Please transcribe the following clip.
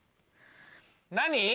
何？